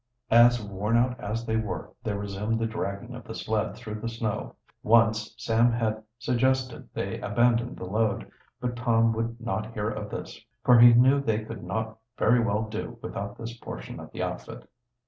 As worn out as they were, they resumed the dragging of the sled through the snow. Once Sam had suggested they abandon the load, but Tom would not hear of this, for he knew they could not very well do without this portion of the outfit.